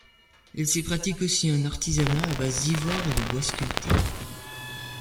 Il s'y pratique aussi un artisanat à base d'ivoire et de bois sculptés.